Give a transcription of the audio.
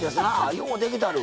ようできてる！